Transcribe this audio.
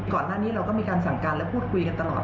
ก่อนหน้านี้เราก็มีการสั่งการและพูดคุยกันตลอด